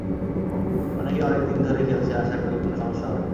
অনেকেই অনেক দিন ধরে খেলছে, আশা করি কোনো সমস্যা হবে না।